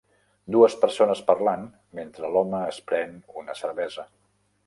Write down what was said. Dues persones parlant, mentre l'home es pren una cervesa.